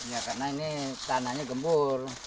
ya karena ini tanahnya gembur